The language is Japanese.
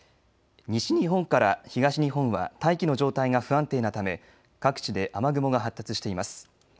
西日本から東日本は大気の状態が不安定なため各地で雨雲が発達しています。